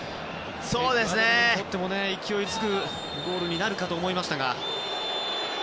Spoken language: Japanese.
エクアドルにとって勢いづくゴールになるかと思いましたが。